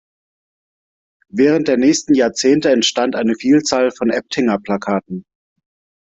Während der nächsten Jahrzehnte entstanden eine Vielzahl von Eptinger-Plakaten.